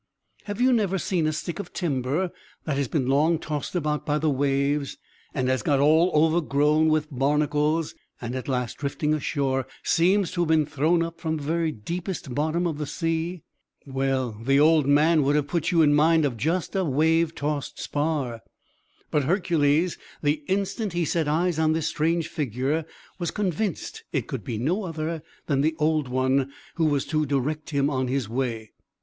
Have you never seen a stick of timber, that has been long tossed about by the waves, and has got all overgrown with barnacles, and, at last drifting ashore, seems to have been thrown up from the very deepest bottom of the sea. Well, the old man would have put you in mind of just such a wave tossed spar! But Hercules, the instant he set eyes on this strange figure, was convinced that it could be no other than the Old One, who was to direct him on his way.